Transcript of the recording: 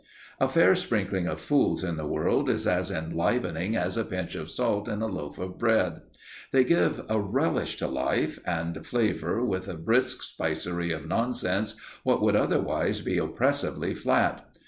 A fair sprinkling of fools in the world is as enlivening as a pinch of salt in a loaf of bread. They give a relish to life, and flavour with a brisk spicery of nonsense what would otherwise be oppressively flat.